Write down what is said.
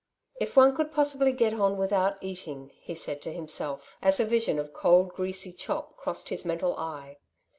'' If one could possibly get on without eating !'' he said to himself, as a vision of cold, greasy chop crossed his mental eye.